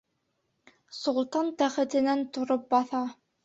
Солтан тәхетенән тороп баҫа: